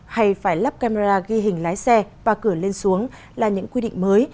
hay phải lắp camera ghi hình lái xe và cửa lên xuống là những quy định mới